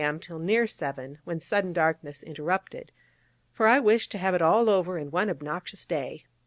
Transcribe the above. M. till near 7, when sudden darkness interrupted: for I wished to have it all over in one obnoxious day.